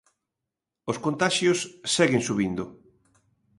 Os contaxios seguen subindo.